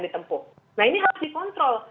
ditempuh nah ini harus dikontrol